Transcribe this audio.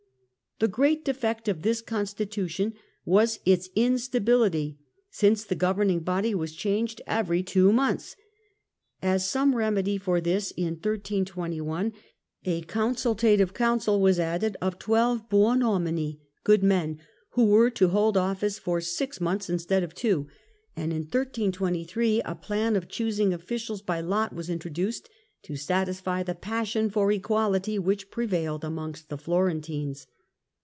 The great defect of this constitution was its instability, since the governing body was changed every two months. As some remedy for this, in 1321, a consultative council ITALY, 1273 1313 33 was added of twelve Bitonomlni (good men), who were to hold office for six months instead of two ; and in 1323 a plan of choosing officials by lot was introduced, to satisfy the passion for equality which prevailed amongst the Florentines.